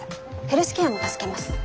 ヘルスケアも助けます。